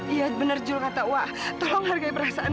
iya benar jul kata wah tolong hargai perasaan